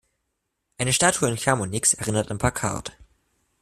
Eine Statue in Chamonix erinnert an Paccard.